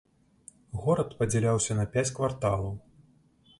Горад падзяляўся на пяць кварталаў.